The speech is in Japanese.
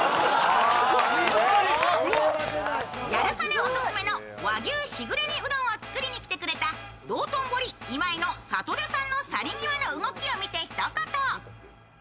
ギャル曽根オススメの和牛しぐれ煮うどんを作りに来てくれた道頓堀今井の里出さんの去り際の動きを見てひと言。